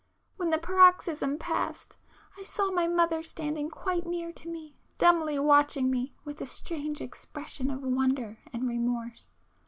When the paroxysm passed I saw my mother standing quite near to me, dumbly watching me with a strange expression of wonder and remorse.